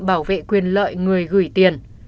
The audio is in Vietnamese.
bảo vệ quyền lợi người gửi tiền